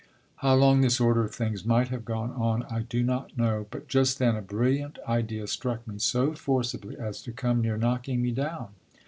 How long this order of things might have gone on I do not know, but just then a brilliant idea struck me so forcibly as to come near knocking me down.